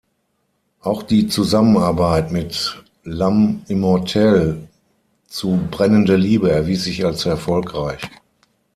Auch die Zusammenarbeit mit L’Âme Immortelle zu "Brennende Liebe" erwies sich als erfolgreich.